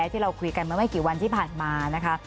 ที่เราคุยกันเมื่อไม่กี่วันที่ผ่านมานะคะ